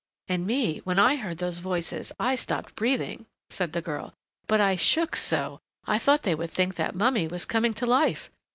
"And me when I heard those voices I stopped breathing," said the girl. "But I shook so I thought they would think that mummy was coming to life!